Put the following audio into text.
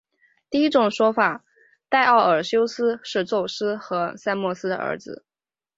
第一种说法戴欧尼修斯是宙斯和塞墨勒的儿子。